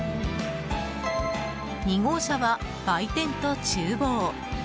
２号車は売店と厨房。